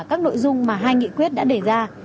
các nội dung mà hai nghị quyết đã đề ra